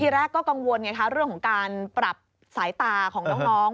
แรกก็กังวลไงคะเรื่องของการปรับสายตาของน้อง